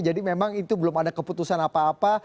jadi memang itu belum ada keputusan apa apa